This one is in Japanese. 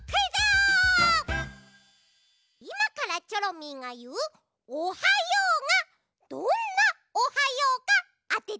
いまからチョロミーがいう「おはよう」がどんな「おはよう」かあててください。